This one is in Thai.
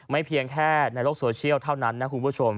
เพียงแค่ในโลกโซเชียลเท่านั้นนะคุณผู้ชม